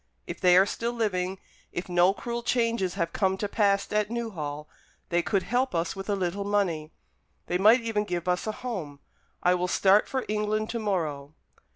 If they are still living, if no cruel changes have come to pass at Newhall, they could help us with a little money. They might even give us a home. I will start for England to morrow."